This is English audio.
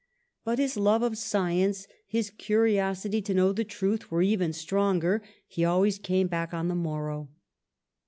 But his love of science, his curiosity to know the truth were even stronger; he always came back on the morrow.'